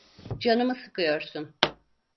Canımı sıkıyorsun.